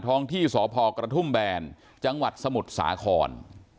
ท้องที่สพกระทุ่มแบนจังหวัดสมุทรสาคร